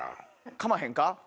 かまへん！